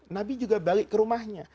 nabi juga balik ke rumahnya